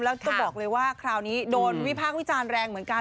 แล้วจะบอกเลยว่าคราวนี้โดนวิพากษ์วิจารณ์แรงเหมือนกัน